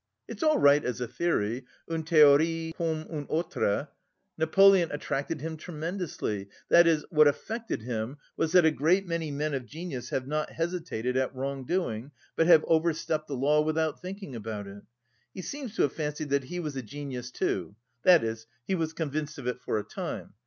It's all right as a theory, une théorie comme une autre. Napoleon attracted him tremendously, that is, what affected him was that a great many men of genius have not hesitated at wrongdoing, but have overstepped the law without thinking about it. He seems to have fancied that he was a genius too that is, he was convinced of it for a time.